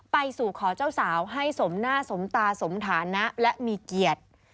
ไปสู่ขอเจ้าสาวให้สมหน้าสมตาสมฐานะและมีเกียรติ